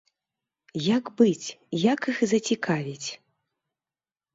Як быць, як іх зацікавіць?